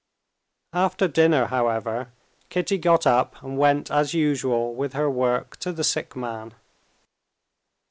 After dinner, however, Kitty got up and went as usual with her work to the sick man.